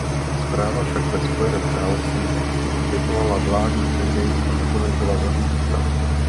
Zpráva však ve Spojeném království vyvolala vládní krizi a nakonec byla zamítnuta.